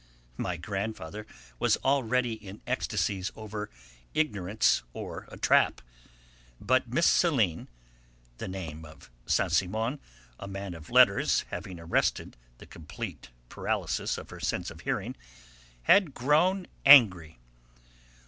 '" My grandfather was already in ecstasies over "ignorance or a trap," but Miss Céline the name of Saint Simon, a 'man of letters,' having arrested the complete paralysis of her sense of hearing had grown angry.